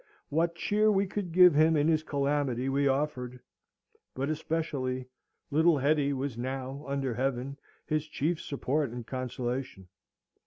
What cheer we could give him in his calamity we offered; but, especially, little Hetty was now, under Heaven, his chief support and consolation.